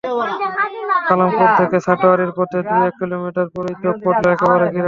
কালামপুর থেকে সাটুরিয়ার পথে দু-এক কিলোমিটার পরই চোখে পড়ল একেবারে গ্রাম।